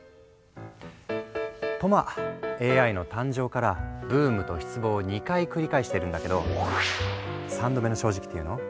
とまあＡＩの誕生からブームと失望を２回繰り返してるんだけど３度目の正直っていうの？